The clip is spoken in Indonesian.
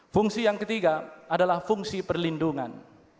fungsi yang ketiga adalah fungsi perlindungan